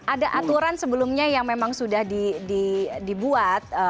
ada aturan sebelumnya yang memang sudah dibuat